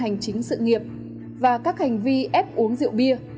nhiều ý kiến cho rằng quy định xử nghiệp và các hành vi ép uống rượu bia